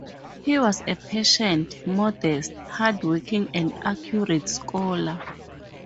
He was a patient, modest, hard-working and accurate scholar.